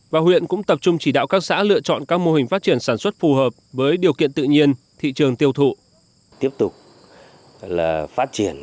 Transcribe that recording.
và huyện cũng tập trung chỉ đạo các xã lựa chọn các mô hình phát triển sản xuất phù hợp